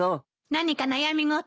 何か悩み事？